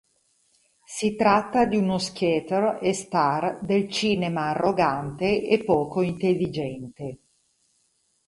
Si tratta di uno skater e star del cinema arrogante e poco intelligente.